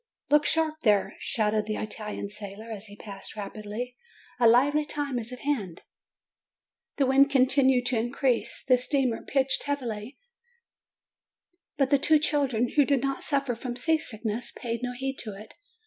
"Look sharp there!" shouted the Italian sailor, as he passed rapidly; "a lively time is at hand!" The wind continued to increase, the steamer pitched heavily ; but the two children, who did not suffer from seasickness, paid no heed to it.